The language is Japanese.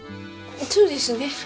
そうですね。